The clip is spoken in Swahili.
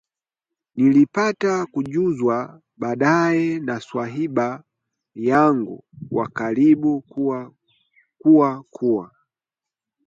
Nilipata kujuzwa baadaye na swahiba yangu wa karibu kuwa kuwa